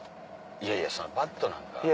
いやいやバットなんか。